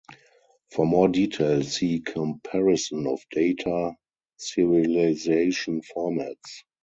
For more detail, see Comparison of data serialization formats.